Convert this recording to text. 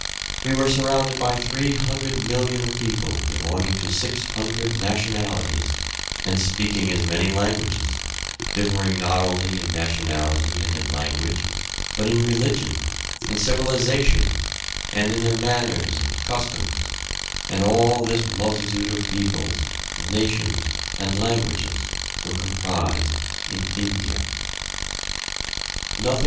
We were surrounded by 300,000,000 of people belonging to six hundred nationalities, and speaking as many languages, differing not only in nationality and in language, but in religion, in civilisation, and in their manners and customs, and all this multitude of peoples, nations, and languages were comprised in "India."